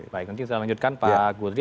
baik nanti saya lanjutkan pak gudri